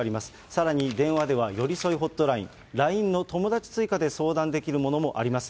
さらに電話ではよりそいホットライン、ＬＩＮＥのともだち追加で相談できるものもあります。